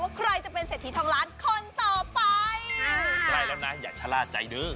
ว่าใครจะเป็นเศรษฐีทองร้านคนต่อไปอ้าวได้แล้วนะอย่าชะลากใจด้วย